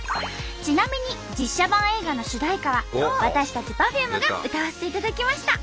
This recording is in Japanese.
ちなみに実写版映画の主題歌は私たちＰｅｒｆｕｍｅが歌わせていただきました。